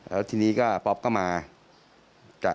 แล้วทีนี้ป๊อปก็มา